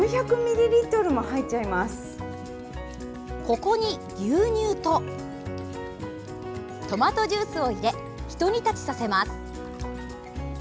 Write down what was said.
ここに牛乳とトマトジュースを入れひと煮立ちさせます。